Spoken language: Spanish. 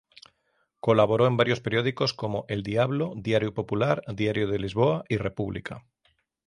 Colaboró en varios periódicos como El Diablo, Diario Popular, Diario de Lisboa y República.